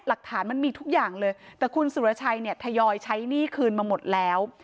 หลักฐานมันมีทุกอย่างเลยแต่คุณสุรชัยเนี่ยทยอยใช้หนี้คืนมาหมดแล้ว